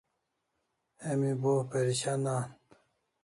Emi bo perishan an